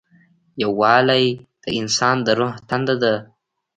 یووالی د انسان د روح تنده ده.